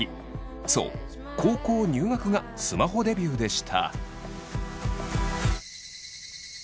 そう高校入学がスマホデビューでした。